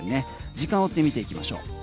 時間を追って見ていきましょう。